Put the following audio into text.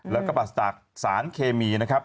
แล้วก็ปรัสจากสารเคมีนะครับ